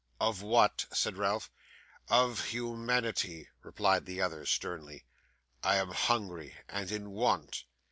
'Of what?' said Ralph. 'Of humanity,' replied the other, sternly. 'I am hungry and in want.